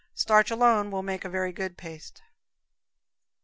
Starch alone will make a very good paste.